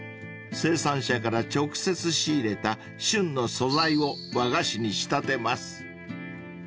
［生産者から直接仕入れた旬の素材を和菓子に仕立てます］